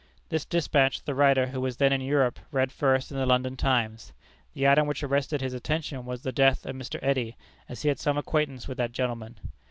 This despatch the writer, who was then in Europe, read first in the London Times. The item which arrested his attention was the death of Mr. Eddy, as he had some acquaintance with that gentleman.